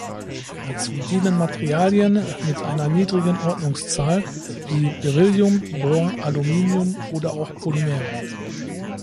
Dazu dienen Materialien mit einer niedrigen Ordnungszahl wie Beryllium, Bor, Aluminium, oder auch Polymer.